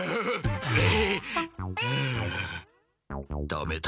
ダメだ。